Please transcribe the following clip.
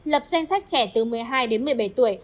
lập danh sách trẻ từ một mươi hai đến một mươi bảy tuổi